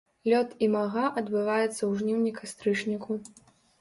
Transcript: Лёт імага адбываецца ў жніўні-кастрычніку.